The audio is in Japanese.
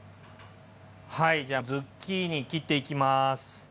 はいじゃあズッキーニ切っていきます。